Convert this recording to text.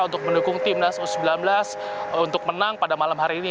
untuk mendukung timnas u sembilan belas untuk menang pada malam hari ini